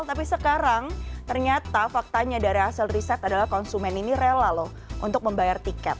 tapi sekarang ternyata faktanya dari hasil riset adalah konsumen ini rela loh untuk membayar tiket